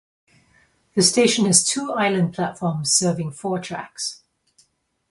The station has two island platforms serving four tracks.